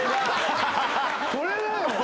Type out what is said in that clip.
これだよ。